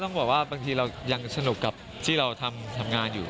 บอกว่าบางทีเรายังสนุกกับที่เราทำงานอยู่